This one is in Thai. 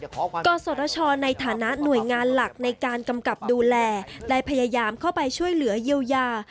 กศชในฐานะหน่วยงานหลักในการกำกับดูแลได้พยายามเข้าไปช่วยเหลือเยียวยา